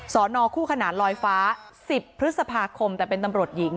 สอนอคู่ขนาดลอยฟ้า๑๐พฤษภาคมแต่เป็นตำรวจหญิง